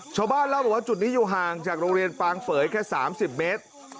ชาวบ้านเล่าบอกว่าจุดนี้อยู่ห่างจากโรงเรียนปางเฝยแค่๓๐เมตร